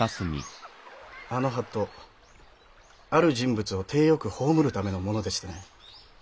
あの法度ある人物を体よく葬るためのものでしてね。